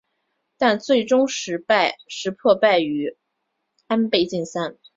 但最终石破败于安倍晋三。